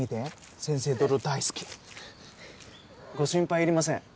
先生泥大好き！ご心配いりません。